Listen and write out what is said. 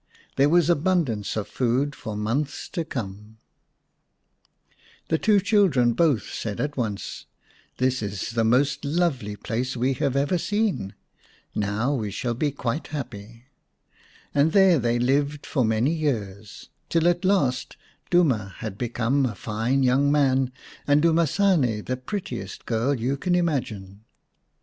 There was abundance of food for months to come. 1 Koodoo a kind of antelope with fine horns. 124 x The Fairy Bird The two children both said at once :" This is the most lovely place we have ever seen. Now we shall be quite happy." And there they lived for many years, till at last Duma had become a fine young man and Dumasane the prettiest girl you can imagine.